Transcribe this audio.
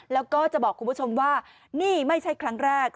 แล้วก็จะบอกคุณผู้ชมว่านี่ไม่ใช่ครั้งแรก